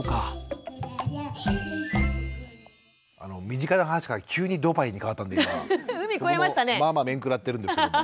身近な話から急にドバイに変わったんでまあまあ面食らってるんですけども。